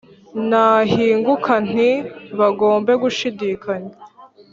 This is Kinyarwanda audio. nahinguka nti bagombe gushidikanya